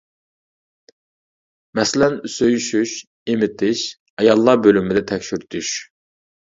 مەسىلەن: سۆيۈشۈش، ئېمىتىش، ئاياللار بۆلۈمىدە تەكشۈرتۈش.